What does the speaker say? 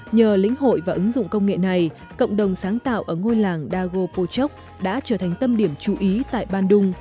nhờ lĩnh hội và ứng dụng công nghệ này cộng đồng sáng tạo ở ngôi làng dagopochok đã trở thành tâm điểm chú ý tại bandung